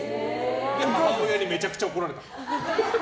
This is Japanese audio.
母親にめちゃくちゃ怒られた。